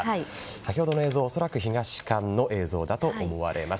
先ほどの映像は恐らく東館の映像だと思われます。